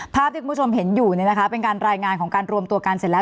ภาพที่คุณผู้ชมเห็นอยู่เป็นการรายงานของการรวมตัวกันเสร็จแล้ว